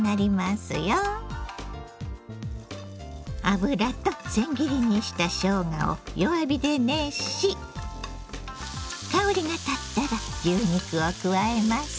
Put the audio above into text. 油とせん切りにしたしょうがを弱火で熱し香りがたったら牛肉を加えます。